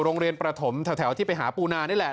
โรงเรียนประถมแถวที่ไปหาปูนานี่แหละ